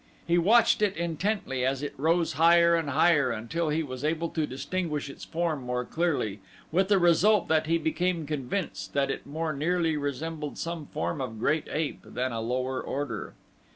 He watched it intently as it rose higher and higher until he was able to distinguish its form more clearly, with the result that he became convinced that it more nearly resembled some form of great ape than a lower order.